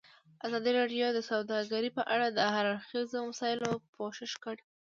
ازادي راډیو د سوداګري په اړه د هر اړخیزو مسایلو پوښښ کړی.